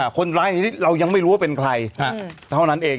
คนร้ายในนี้เรายังไม่รู้ว่าเป็นใครเท่านั้นเอง